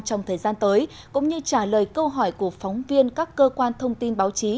trong thời gian tới cũng như trả lời câu hỏi của phóng viên các cơ quan thông tin báo chí